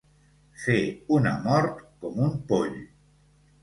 Fer una mort com un poll.